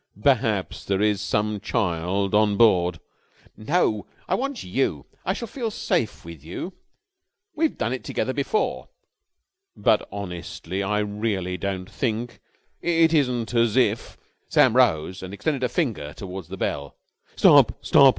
"Perhaps there is some child on board...." "No! I want you. I shall feel safe with you. We've done it together before." "But honestly, I really don't think ... it isn't as if...." Sam rose and extended a finger towards the bell. "Stop! Stop!"